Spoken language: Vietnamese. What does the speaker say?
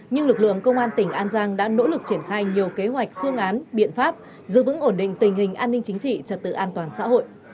nhưng lực lượng công an tỉnh an giang đã nỗ lực triển khai nhiều kế hoạch phương án biện pháp giữ vững ổn định tình hình an ninh chính trị trật tự an toàn xã hội